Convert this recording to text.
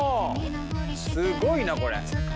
すごいなこれ。